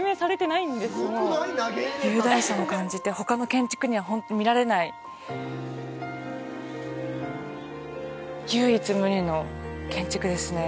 雄大さも感じて、ほかの建築には見られない唯一無二の建築ですね。